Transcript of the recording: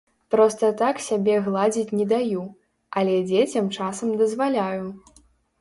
Проста так сябе гладзіць не даю, але дзецям часам дазваляю.